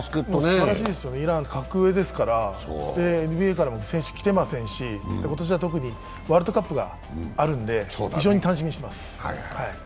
すばらしいですよね、イラン格上ですから、ＮＢＡからも選手来てませんし、今年は特にワールドカップがあるので、非常に楽しみにきています。